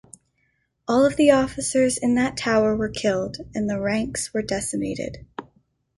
All of the officers in that tower were killed, and the ranks were decimated.